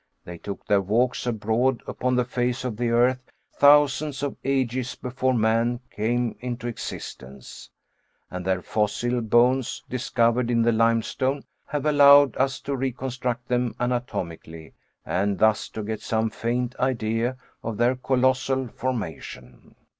They took their walks abroad upon the face of the earth thousands of ages before man came into existence, and their fossil bones, discovered in the limestone, have allowed us to reconstruct them anatomically, and thus to get some faint idea of their colossal formation.